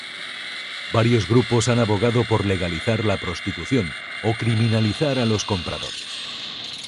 Varios grupos han abogado por legalizar la prostitución, o criminalizar a los compradores.